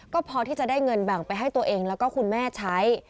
ก็พอที่จะได้เงินแบ่งไปให้ตัวเองแล้วก็คุณแม่ใช้